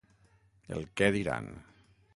El què diran.